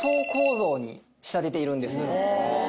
に仕立てているんです。